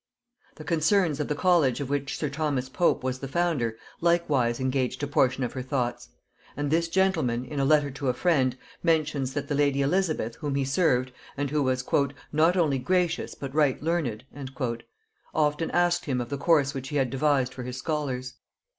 The concerns of the college of which sir Thomas Pope was the founder likewise engaged a portion of her thoughts; and this gentleman, in a letter to a friend, mentions that the lady Elizabeth, whom he served, and who was "not only gracious but right learned," often asked him of the course which he had devised for his scholars.